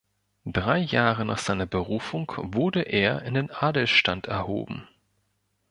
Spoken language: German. Drei Jahre nach seiner Berufung wurde er in den Adelsstand erhoben.